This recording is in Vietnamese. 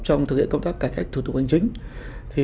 trong thực hiện công tác cải cách thủ tục hành chính